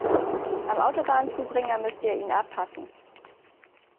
Am Autobahnzubringer müsst ihr ihn abpassen.